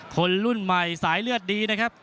คนรุ่นใหม่สายเลือดดีนะครับ